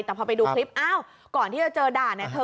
แต่พอไปดูคลิปอ้าวก่อนที่จะเจอด่าเนี่ย